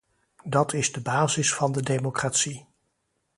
Dat is de basis van de democratie.